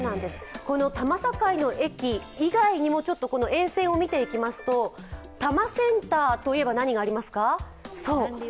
多摩境の駅以外にも沿線を見ていきますと多摩センターといえば何がありますか？